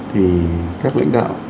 thì các lãnh đạo